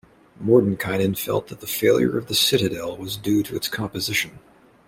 Mordenkainen felt that the failure of the Citadel was due to its composition.